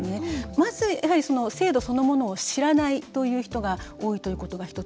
まずは制度そのものを知らないという人が多いということが１つ。